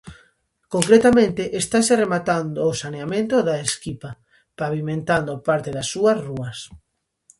Concretamente estase rematando o saneamento da Esquipa, pavimentando parte das súas rúas.